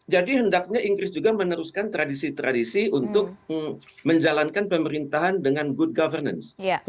jadi hendaknya inggris juga meneruskan tradisi tradisi untuk menjalankan pemerintahan dengan good governance